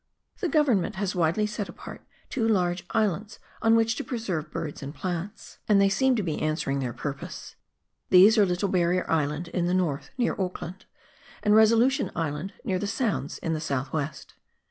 The Government has wisely set apart two large islands on which to preserve birds and plants, and they seem to be 44 PIONEER WORK IN THE ALPS OF NEW ZEALAND. answering their purpose. These are Little Barrier Island in the north, near Auckland, and Resolution Island, near the Sounds in the south west.